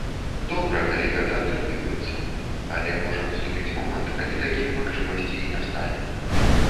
Добра, калі гэта атрымліваецца, але можа наступіць момант, калі такіх магчымасцей і не стане.